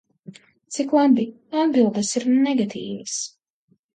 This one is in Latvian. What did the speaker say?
Cik labi, atbildes ir negatīvas.